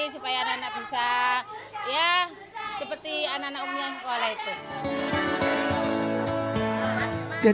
supaya anak anak bisa ya seperti anak anak umum yang sekolah itu